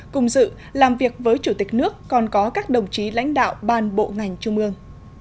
cùng dự làm việc với chủ tịch nước còn có các đồng chí lãnh đạo ban bộ ngành trung ương